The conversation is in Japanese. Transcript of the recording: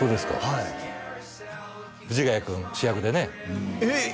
はい藤ヶ谷君主役でねえっ！